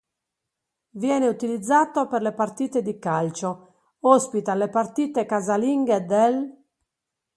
Viene utilizzato per le partite di calcio, ospita le partite casalinghe dell'.